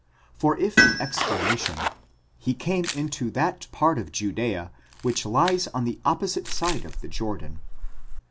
For if the explanation: he came into: that part of Judzea which lies on the opposite side of the Jordan